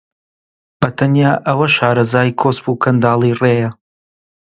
بە تەنیا ئەوە شارەزای کۆسپ و کەنداڵی ڕێیە